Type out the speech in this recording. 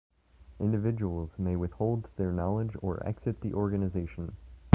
Individuals may withhold their knowledge or exit the organization.